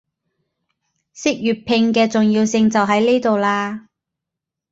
識粵拼嘅重要性就喺呢度喇